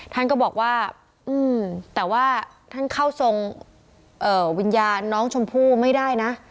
ท่านก็บอกว่าแต่ว่าท่านเข้าทรงวิญญาณน้องชมพู่ไม่ได้นะ